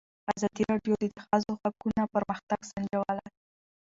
ازادي راډیو د د ښځو حقونه پرمختګ سنجولی.